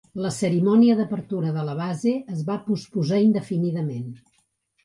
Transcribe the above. La cerimònia d'apertura de la base es va posposar indefinidament.